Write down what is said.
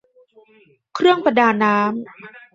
เครื่องประดาน้ำ